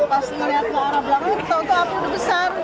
pas melihat ke arah belakang itu api besar